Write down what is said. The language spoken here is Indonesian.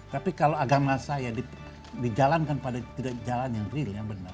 tapi kalau agama saya dijalankan pada jalan yang real yang benar